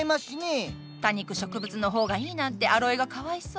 多肉植物のほうがいいなんてアロエがかわいそう。